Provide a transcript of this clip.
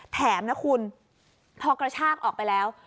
แถมนะคุณพอกระชากออกไปแล้ว